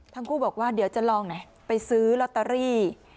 ทั้งคู่บอกว่าเดี๋ยวจะลองไหนไปซื้อลอตเตอรี่